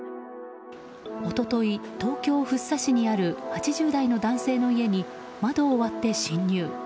一昨日、東京・福生市にある８０代の男性の家に窓を割って侵入。